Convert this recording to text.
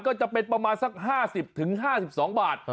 ก็จะเป็นประมาณสัก๕๐๕๒บาท